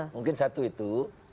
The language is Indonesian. mungkin satu itu